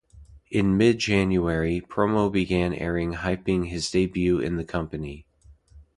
In mid January, promo began airing hyping his debut in the company.